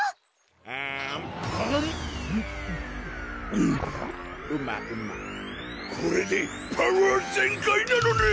うまうまこれでパワー全開なのねん！